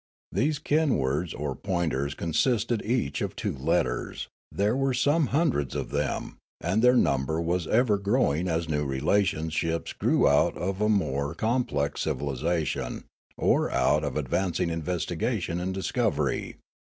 These kin words or pointers consisted each of two letters ; there were some hundreds of them, and their number was ever growing as new relationships grew out of a more com plex civilisation or out of advancing inve.stigation and discovery.